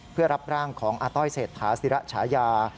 เพื่อรับร่างของอาต้อยเศรษฐาศิระฉายา